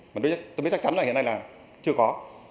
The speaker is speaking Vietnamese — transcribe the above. mà tôi biết chắc chắn là hiện nay là chưa có